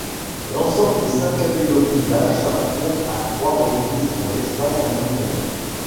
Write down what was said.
L'ensemble des cinq catégories d'âge s'affrontent à trois reprises en l'espace d'un weekend.